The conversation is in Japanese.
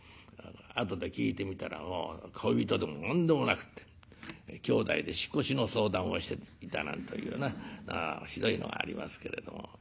後で聞いてみたら恋人でも何でもなくってきょうだいで引っ越しの相談をしていたなんというなひどいのがありますけれども。